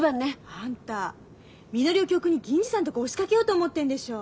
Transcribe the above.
あんたみのりを教訓に銀次さんとこ押しかけようと思ってんでしょ！？